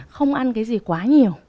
không ăn cái gì quá nhiều